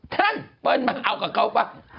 ท่านเอาดับมาเอากับเขาป่ะ